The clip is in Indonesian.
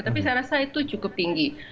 tapi saya rasa itu cukup tinggi